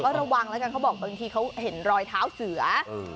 ระวังแล้วกันเขาบอกบางทีเขาเห็นรอยเท้าเสือ